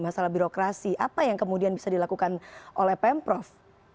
masalah birokrasi apa yang kemudian bisa dilakukan oleh pemprov